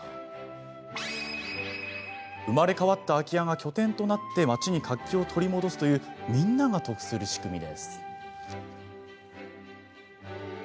生まれ変わった空き家が拠点となって町に活気を取り戻すというみんなが得する仕組みです。